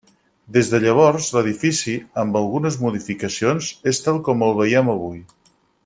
Des de llavors, l'edifici, amb algunes modificacions, és tal com el veiem avui.